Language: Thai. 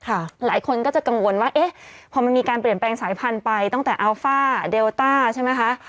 หลายคนก็จะกังวลว่าเอ๊ะพอมันมีการเปลี่ยนแปลงสายพันธุ์ไปตั้งแต่อัลฟ่าเดลต้าใช่ไหมคะ